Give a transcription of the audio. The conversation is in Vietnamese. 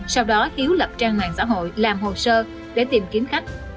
sau đó hiếu lập trang mạng xã hội làm hồ sơ để tìm kiếm khách